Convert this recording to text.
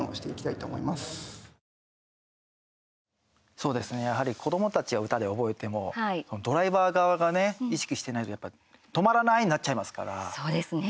そうですね、やはり子どもたちは歌で覚えてもドライバー側がね意識してないとやっぱり止まらない！になっちゃいますから。